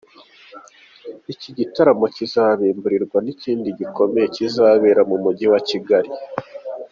Iki gitaramo kizabimburirwa n’ikindi gikomeye kizabera mu Mujyi wa Kigali.